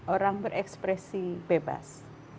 orang berekspresi bebas